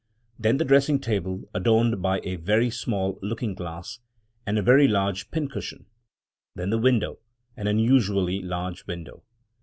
Then the dressing table, adorned by a very small looking glass, and a very large pincushion. Then the window — an unusually large window.